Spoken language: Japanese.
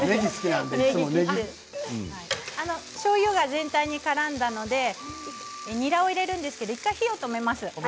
しょうゆが全体にからんだのでニラを入れるんですけれど１回、火を止めます。